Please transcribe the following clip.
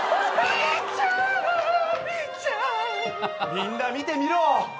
みんな見てみろ。